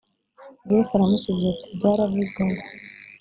yesu aramusubiza ati byaravuzwe ngo